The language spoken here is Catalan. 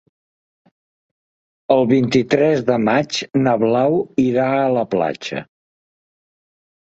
El vint-i-tres de maig na Blau irà a la platja.